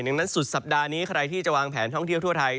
ดังนั้นสุดสัปดาห์นี้ใครที่จะวางแผนท่องเที่ยวทั่วไทย